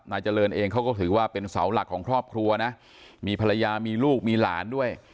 นายเจริญเองเขาก็ถือว่าเป็นเสาหลักของครอบครัวนะมีภรรยามีลูกมีหลานด้วย